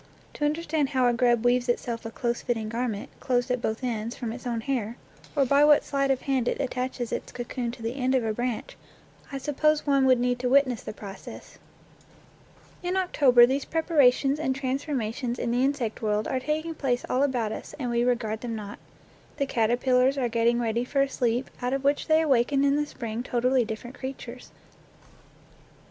To understand how a grub weaves itself a close fitting garment, closed at both ends, from its own hair, or by what sleight 23 NATURE LORE of hand it attaches its cocoon to the end of a branch, I suppose one would need to witness the process. In October these preparations and transforma tions in the insect world are taking place all about us, and we regard them not. The caterpillars are getting ready for a sleep out of which they awaken in the spring totally different creatures.